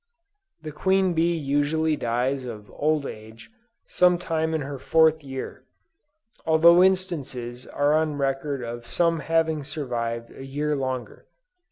The queen bee usually dies of old age, some time in her fourth year, although instances are on record of some having survived a year longer.